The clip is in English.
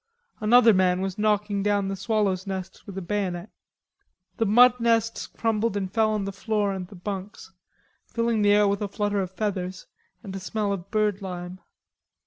Another man was knocking down the swallows' nests with a bayonet. The mud nests crumbled and fell on the floor and the bunks, filling the air with a flutter of feathers and a smell of birdlime.